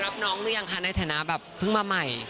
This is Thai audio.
รับน้องหรือยังคะในฐานะแบบเพิ่งมาใหม่